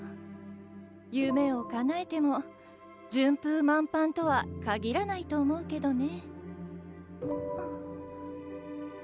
夢をかなえても順風満帆とは限らないと思うけどね。